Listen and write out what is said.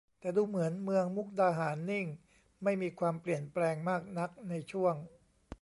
แต่ดูเหมือนเมืองมุกดาหารนิ่งไม่มีความเปลี่ยนแปลงมากนักในช่วง